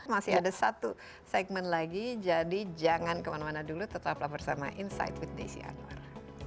masih ada satu segmen lagi jadi jangan kemana mana dulu tetaplah bersama insight with desi anwar